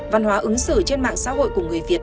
văn hóa ứng xử trên mạng xã hội của người việt